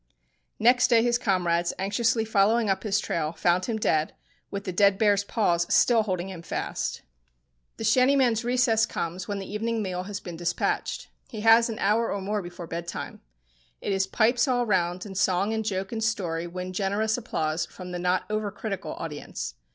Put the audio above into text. Next day his comrades, anxiously following up his trail, found him dead, with the dead bear's paws still holding him fast. The shantyman's recess comes when the evening meal has been despatched. He has an hour or more before bed time. It is pipes all round, and song and joke and story win generous applause from the not over critical audience.